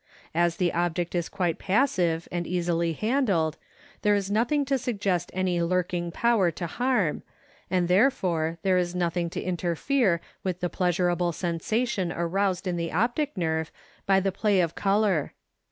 As the object is quite passive and easily handled, there is nothing to suggest any lurking power to harm, and therefore there is nothing to interfere with the pleasurable sensation aroused in the optic nerve by the play of color.